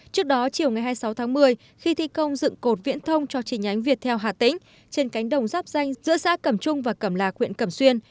trước đó chiều ngày hai mươi sáu tháng một mươi khi thi công dựng cột viễn thông cho trì nhánh việt theo hà tĩnh trên cánh đồng giáp danh giữa xã cẩm trung và cẩm lạc huyện cẩm xuyên